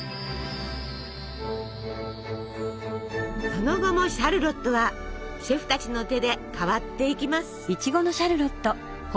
その後もシャルロットはシェフたちの手で変わっていきます。